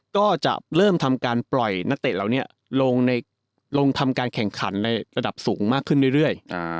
ก็จะเริ่มทำการปล่อยนักเตะเหล่านี้ลงทำการแข่งขันในระดับสูงมากขึ้นเรื่อย